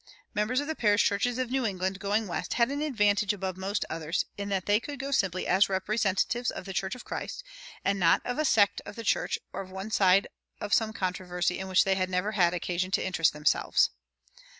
Members of the parish churches of New England going west had an advantage above most others, in that they could go simply as representatives of the church of Christ, and not of a sect of the church, or of one side of some controversy in which they had never had occasion to interest themselves.